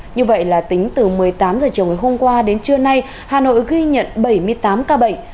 như vậy là tính từ một mươi tám h chiều ngày hôm qua đến trưa nay hà nội ghi nhận bảy mươi tám ca bệnh